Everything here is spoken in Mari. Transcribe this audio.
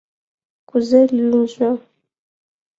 Кузе лӱмжӧ?..